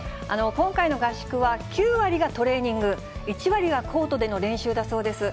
今回の合宿は、９割がトレーニング、１割がコートでの練習だそうです。